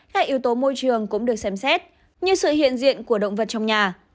các yếu tố môi trường cũng được xem xét như sự hiện diện của động vật trong nhà